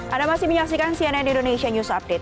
anda masih menyaksikan cnn indonesia news update